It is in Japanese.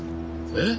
えっ？